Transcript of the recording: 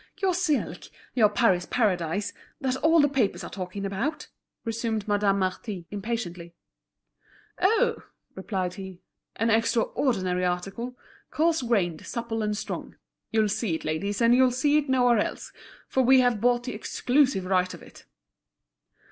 "Your silk, your Paris Paradise, that all the papers are taking about?" resumed Madame Marty, impatiently. "Oh!" replied he, "an extraordinary article, coarse grained, supple and strong. You'll see it, ladies, and you'll see it nowhere else, for we have bought the exclusive right of it."